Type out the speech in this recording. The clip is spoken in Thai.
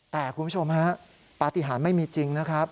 แต่คุณผู้ชมฮะปฏิหารไม่มีจริงนะครับ